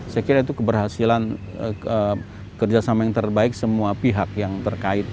saya kira itu keberhasilan kerjasama yang terbaik semua pihak yang terkait